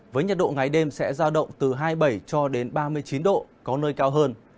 với nhiệt độ ngày đêm sẽ giao động từ hai mươi bảy cho đến ba mươi chín độ có nơi cao hơn